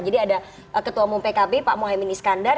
jadi ada ketua umum pkb pak mohaimin iskandar